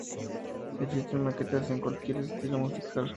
Existen maquetas en cualquier estilo musical.